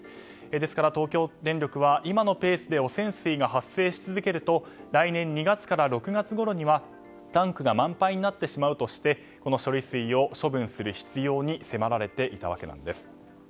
ですから、東京電力は今のペースで汚染水が発生し続けると来年２月から６月ごろにはタンクが満杯になってしまうとしてこの処理水を処分する必要に迫られていたわけなんです。